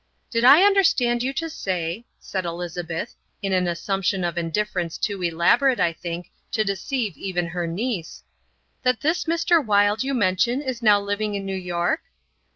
"Did I understand you to say," said Elizabeth, in an assumption of indifference too elaborate, I think, to deceive even her niece, "that this Mr. Wilde you mention is now living in New York?"